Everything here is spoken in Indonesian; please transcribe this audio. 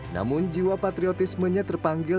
namun jiwa patriotismenya terpanggil